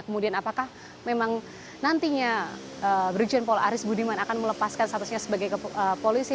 kemudian apakah memang nantinya brigjen paul aris budiman akan melepaskan statusnya sebagai polisi